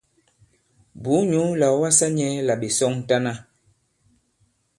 Bùu nyǔ là ɔ̀ wasā nyɛ̄ là ɓè sɔŋtana.